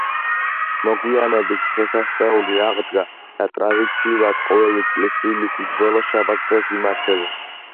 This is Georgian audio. მოგვიანებით დღესასწაული აღდგა და ტრადიციულად ყოველი წლის ივლისის ბოლო შაბათ დღეს იმართება.